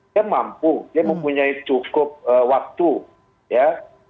dia mampu dia mempunyai cukup waktu ya